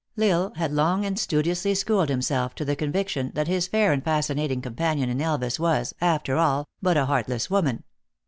L Isle had long and studiously schooled himself to the conviction that his fair and fascinating com panion in Elvas was, after all, but a heartless woman.